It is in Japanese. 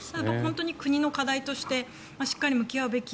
国の課題としてしっかり向き合うべき